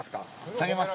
下げます。